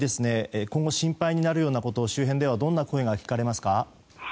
今後、心配になるようなこと周辺ではどのような声が聞かれますか。